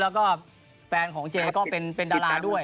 แล้วก็แฟนของเจก็เป็นดาราด้วย